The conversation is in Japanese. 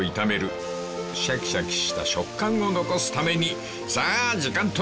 ［シャキシャキした食感を残すためにさあ時間との勝負だ］